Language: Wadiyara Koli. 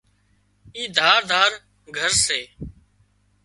اِي ڌار ڌار گھر سي